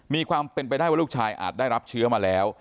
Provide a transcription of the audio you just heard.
มีความเป็นไปได้ว่าลูกชายอาจได้รับเชื้อมาแล้ว